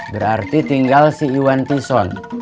berarti tinggal si iwan pison